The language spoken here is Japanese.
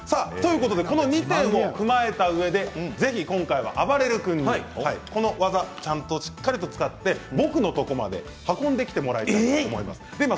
この２点を踏まえたうえで今回はぜひ、あばれる君に、この技をしっかりと使って僕のところまで運んできてもらえますか？